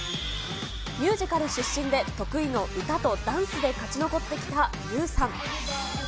ミュージカル出身で得意の歌とダンスで勝ち残ってきたユウさん。